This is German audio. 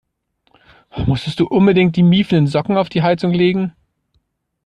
Musstest du unbedingt die miefenden Socken auf die Heizung legen?